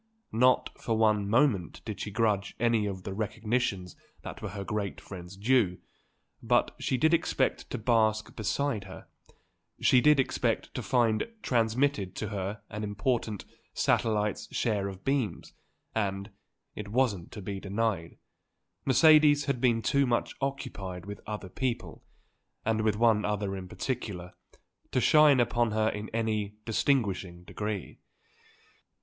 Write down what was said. Not for one moment did she grudge any of the recognitions that were her great friend's due; but she did expect to bask beside her; she did expect to find transmitted to her an important satellite's share of beams; and, it wasn't to be denied, Mercedes had been too much occupied with other people and with one other in particular to shine upon her in any distinguishing degree.